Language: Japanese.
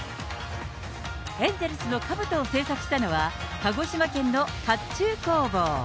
エンゼルスのかぶとを製作したのは、鹿児島県の甲冑工房。